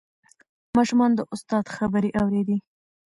ماشومان د استاد خبرې اورېدې.